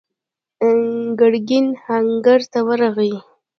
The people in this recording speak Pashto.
ګرګين آهنګر ته ورغی.